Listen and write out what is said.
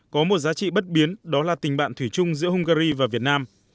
có một giá trị bất biến đó là tình bạn thủy chung giữa hungary và việt nam